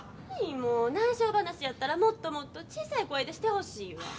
もうないしょ話やったらもっともっと小さい声でしてほしいわ。